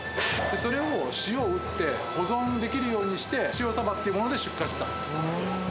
それを塩を打って保存できるようにして、塩サバっていうもので出荷してたんです。